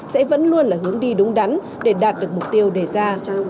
sẽ vẫn luôn là hướng đi đúng đắn để đạt được mục tiêu đề ra